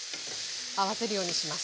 合わせるようにします。